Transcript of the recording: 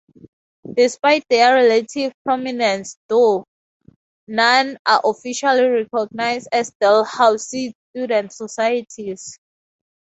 Despite their relative prominence, though, none are officially recognized as Dalhousie student societies.